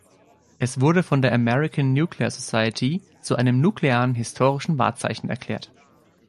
Es wurde von der American Nuclear Society zu einem nuklearen historischen Wahrzeichen erklärt.